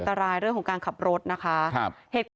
ตรายเรื่องของการขับรถนะคะ